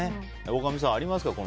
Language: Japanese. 大神さん、ありますか？